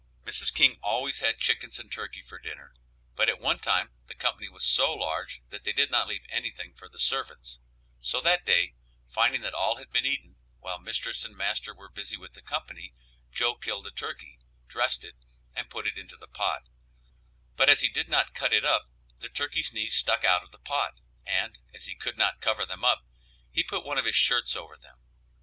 Mrs. King always had chickens and turkey for dinner, but at one time the company was so large that they did not leave anything for the servants; so that day, finding that all had been eaten, while mistress and master were busy with the company, Joe killed a turkey, dressed it and put it into the pot, but, as he did not cut it up, the turkey's knees stuck out of the pot, and, as he could not cover them up, he put one of his shirts over them.